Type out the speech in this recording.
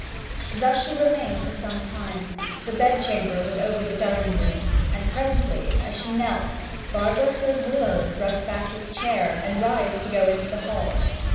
Thus she remained for some time. The bed chamber was over the dining room, and presently as she knelt Barbara heard Willowes thrust back his chair, and rise to go into the hall.